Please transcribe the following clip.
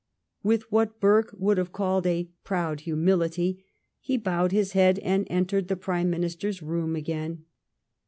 With what Burke would have called a "proud humility," he bowed his head and entered the Prime Minister's room again.